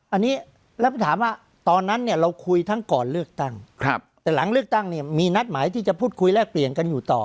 อันนี้แล้วถามว่าตอนนั้นเนี่ยเราคุยทั้งก่อนเลือกตั้งแต่หลังเลือกตั้งเนี่ยมีนัดหมายที่จะพูดคุยแลกเปลี่ยนกันอยู่ต่อ